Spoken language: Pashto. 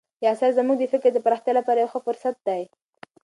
دا اثر زموږ د فکر د پراختیا لپاره یو ښه فرصت دی.